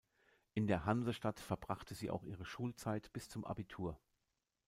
In der Hansestadt verbrachte sie auch ihre Schulzeit bis zum Abitur.